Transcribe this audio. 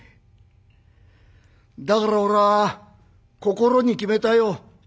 だから俺は心に決めたよ。